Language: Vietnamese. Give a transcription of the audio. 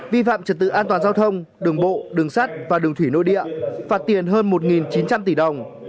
vi phạm trật tự an toàn giao thông đường bộ đường sắt và đường thủy nội địa phạt tiền hơn một chín trăm linh tỷ đồng